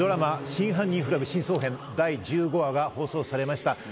ドラマ『真犯人フラグ真相編』第１５話が放送されました。